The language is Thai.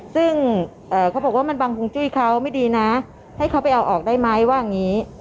ซึ่งเขาบอกว่ามันบังฮุงจุ้ยเขาไม่ดีนะให้เขาไปเอาออกได้ไหมว่าอย่างนี้